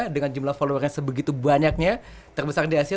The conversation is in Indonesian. dengan jumlah followernya sebegitu banyaknya terbesar di asia